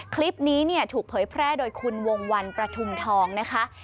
คลิปนี้เนี่ยถูกเผยแพร่โดยคุณวงวันประทุมทองนะคะ